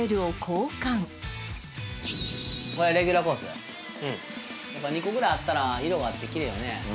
うんやっぱ２個ぐらいあったら色があってきれいよね